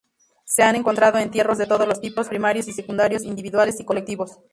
Se han encontrado entierros de todos los tipos, primarios y secundarios, individuales y colectivos.